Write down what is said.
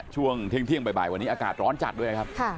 ช่วงเที่ยงบ่ายวันนี้อากาศร้อนจัดด้วยนะครับ